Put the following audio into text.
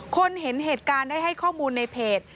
คนเห็นเหตุการณ์ได้ให้ข้อมูลในเพจ